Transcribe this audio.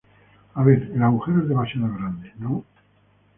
a ver, el agujero es demasiado grande, ¿ no?